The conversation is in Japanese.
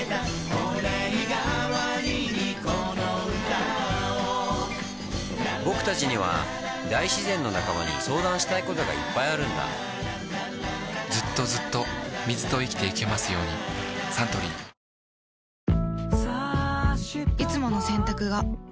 御礼がわりにこの歌をぼくたちには大自然の仲間に相談したいことがいっぱいあるんだずっとずっと水と生きてゆけますようにサントリーいつもの洗濯が